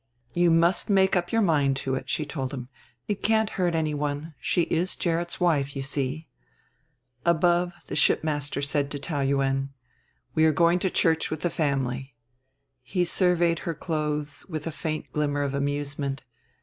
"You must make up your mind to it," she told him. "It can't hurt anyone. She is Gerrit's wife, you see." Above, the shipmaster said to Taou Yuen: "We are going to church with the family." He surveyed her clothes with a faint glimmer of amusement.